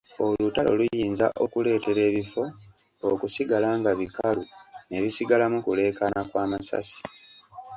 Olutalo luyinza okuleetera ebifo okusigala nga bikalu ne bisigalamu kuleekaana kw'amasasi.